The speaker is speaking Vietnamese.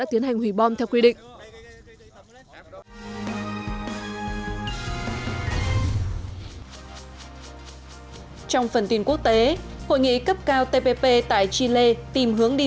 tiến hành hủy bom theo quy định trong phần tin quốc tế hội nghị cấp cao tpp tại chile tìm hướng đi